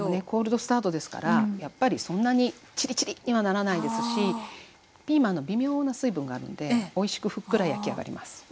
コールドスタートですからやっぱりそんなにちりちりにはならないですしピーマンの微妙な水分があるのでおいしくふっくら焼き上がります。